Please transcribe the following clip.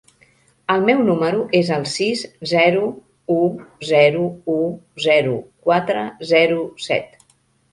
El meu número es el sis, zero, u, zero, u, zero, quatre, zero, set.